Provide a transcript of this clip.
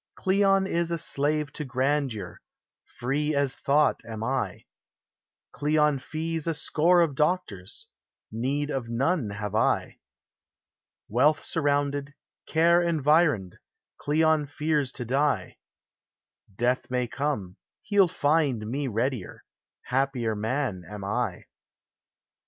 Cleon is a slave to grandeur, free as thought am I ; Cleon fees a score of doctors, need of none have I ; Wealth surrounded, care environed, Cleon fears to die; Death may come, he '11 find me ready, — happier man am I.